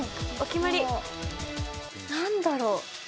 何だろう？